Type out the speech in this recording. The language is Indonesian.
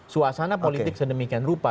suasana politik sedemikian rupa